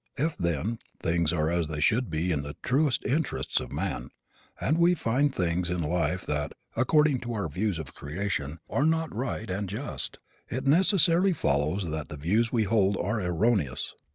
If, then, things are as they should be in the truest interests of man, and we find things in life that, according to our views of creation, are not right and just, it necessarily follows that the views we hold are erroneous.